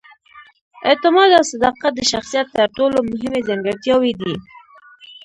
اعتماد او صداقت د شخصیت تر ټولو مهمې ځانګړتیاوې دي.